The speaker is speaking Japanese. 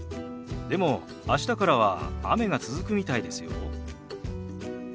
でも明日からは雨が続くみたいですよ。